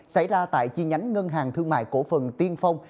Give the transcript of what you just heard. xảy ra tại chi nhánh ngân hàng thương mại cổ phần tiên phong